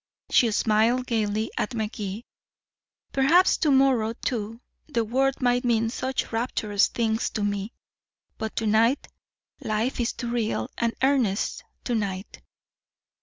She smiled gaily at Magee. "Perhaps to morrow, too, the word might mean such rapturous things to me. But to night life is too real and earnest to night.